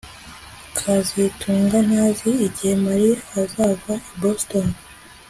kazitunga ntazi igihe Mary azava i Boston